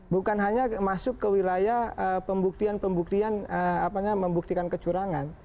bukan hanya masuk ke wilayah pembuktian pembuktian membuktikan kecurangan